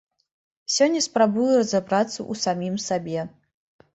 Сёння спрабую разабрацца ў самім сабе.